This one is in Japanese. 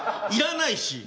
いらないし。